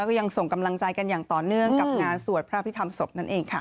ก็ยังส่งกำลังใจกันอย่างต่อเนื่องกับงานสวดพระพิธรรมศพนั่นเองค่ะ